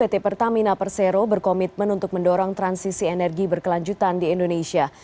pt pertamina persero berkomitmen untuk mendorong transisi energi berkelanjutan di indonesia